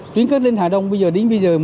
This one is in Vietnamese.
tuyến cất lên hà đông bây giờ đến bây giờ